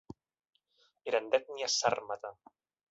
Eren d'ètnia sàrmata.